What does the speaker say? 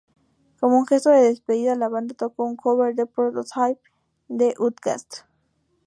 Como un gesto de despedida, la banda tocó un cover de "Prototype", de Outkast.